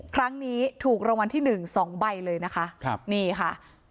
ครั้งนี้ถูกรางวัลที่หนึ่งสองใบเลยนะคะครับนี่ค่ะ